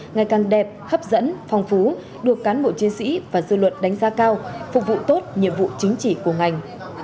ngày càng đẹp hấp dẫn phong phú được cán bộ chiến sĩ và dư luận đánh giá cao phục vụ tốt nhiệm vụ chính trị của ngành